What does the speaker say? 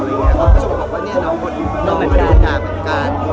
เขาจะบอกว่านี่น้องคนน้องคนรู้สึกด้าแบบกัน